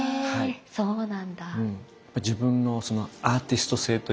そうなんだ！